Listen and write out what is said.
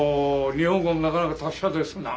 日本語もなかなか達者ですな。